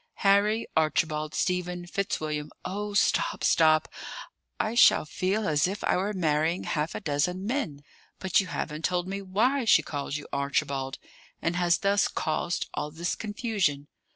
"Harry Archibald Stephen Fitzwilliam " "Oh, stop, stop! I shall feel as if I were marrying half a dozen men. But you haven't told me why she calls you Archibald; and has thus caused all this confusion!"